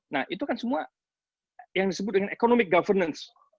nah itu kan semua yang disebut dengan economic governance